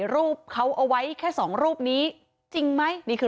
แล้วทำท่าเหมือนลบรถหนีไปเลย